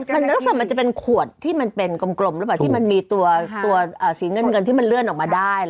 มันรู้สึกว่าจะเป็นขวดที่มันเป็นกลมที่มันมีตัวสีเงินเงินที่มันเลื่อนออกมาได้